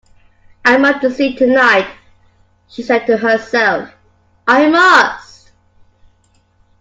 "I must succeed tonight," she said to herself — "I must!"